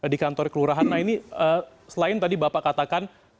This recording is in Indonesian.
di kantor kelurahan nah ini selain tadi bapak katakan